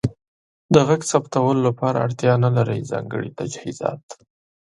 د غږ ثبتولو لپاره اړتیا نلرئ ځانګړې تجهیزات.